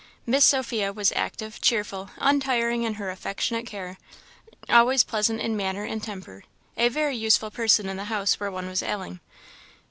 Miss Sophia was active, cheerful, untiring in her affectionate care, always pleasant in manner and temper; a very useful person in a house where one was ailing.